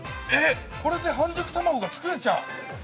◆これで半熟卵が作れちゃう？